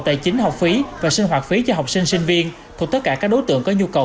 tài chính học phí và sinh hoạt phí cho học sinh sinh viên thuộc tất cả các đối tượng có nhu cầu